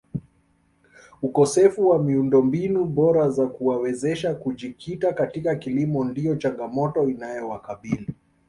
Ukosefu wa miundombinu bora ya kuwawezesha kujikita katika kilimo ndiyo changamoto inayowakabili